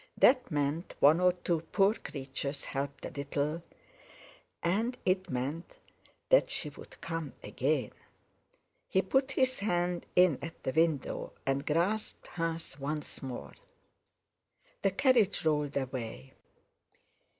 That meant one or two poor creatures helped a little, and it meant that she would come again. He put his hand in at the window and grasped hers once more. The carriage rolled away.